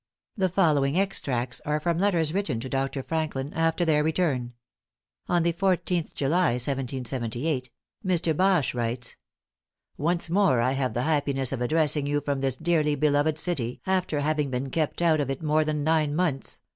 The following extracts are from letters written to Dr. Franklin after their return. On the 14th July, 1778, Mr. Bache writes: "Once more I have the happiness of addressing you from this dearly beloved city, after having been kept out of it more than nine months.. ..